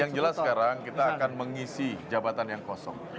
yang jelas sekarang kita akan mengisi jabatan yang kosong